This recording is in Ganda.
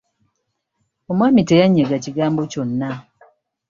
Omwami teyanyega kigambo kyonna.